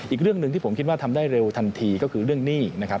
อีกเรื่องหนึ่งที่ผมคิดว่าทำได้เร็วทันทีก็คือเรื่องหนี้นะครับ